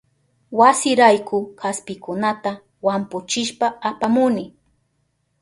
Wasirayku kaspikunata wampuchishpa apamuni.